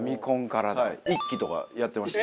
『いっき』とかやってました。